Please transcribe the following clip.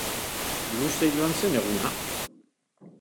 Luze joan zen eguna.